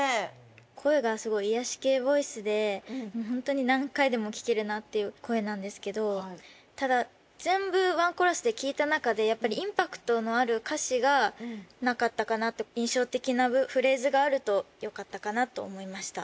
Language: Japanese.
声がすごい癒やし系ボイスでもうホントに何回でも聴けるなっていう声なんですけどただ全部ワンコーラスで聴いた中でやっぱり印象的なフレーズがあるとよかったかなと思いました。